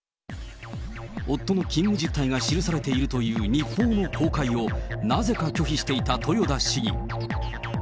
夫の勤務実態が記されているという日報の公開をなぜか拒否していた豊田市議。